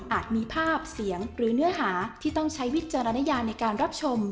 มีภาพเสียงหรือเนื้อหาที่ต้องใช้วิจารณญาในการรับชม